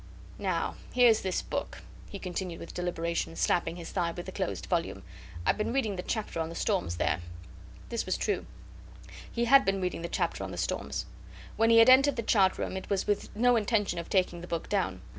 "Now, here's this book," he continued with deliberation, slapping his thigh with the closed volume. "I've been reading the chapter on the storms there." This was true. He had been reading the chapter on the storms. When he had entered the chart room, it was with no intention of taking the book down.